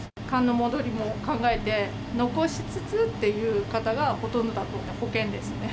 寒の戻りも考えて、残しつつっていう方がほとんどだと思います。